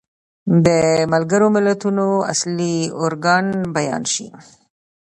د ملګرو ملتونو اصلي ارکان بیان شي.